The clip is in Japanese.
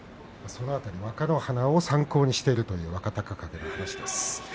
その辺り若乃花を参考にしているという若隆景の話です。